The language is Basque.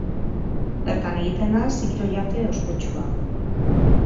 Bertan egiten da zikiro-jate ospetsua.